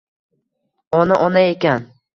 Ona — ona ekan.